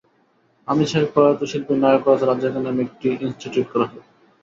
আমি চাই প্রয়াত শিল্পী নায়করাজ রাজ্জাকের নামে একটি ইনস্টিটিউট করা হোক।